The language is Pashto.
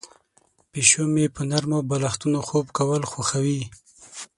پیشو مې په نرمو بالښتونو خوب کول خوښوي.